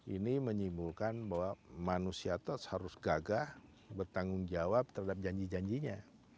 ini menyimpulkan bahwa manusia itu harus gagah bertanggung jawab terhadap janji janjinya